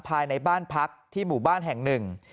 ภายในบ้านพักที่หมู่บ้านแห่งหนึ่ง